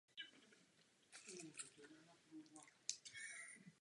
Původní zvony se nedochovaly.